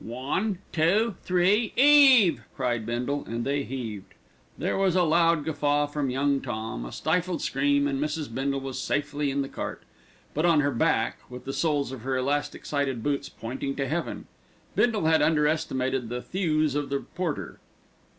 "One, two, three 'eave!" cried Bindle, and they heaved. There was a loud guffaw from Young Tom, a stifled scream, and Mrs. Bindle was safely in the cart; but on her back, with the soles of her elastic sided boots pointing to heaven. Bindle had under estimated the thews of the porter.